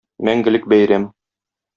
Мәңгелек бәйрәм...